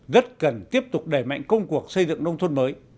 rất cần tiếp tục đẩy mạnh công cuộc xây dựng nông thôn mới